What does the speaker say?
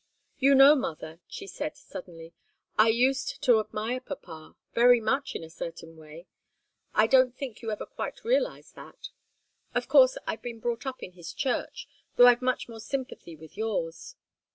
"You know, mother," she said, suddenly, "I used to admire papa very much, in a certain way. I don't think you ever quite realized that. Of course I've been brought up in his church, though I've much more sympathy with yours.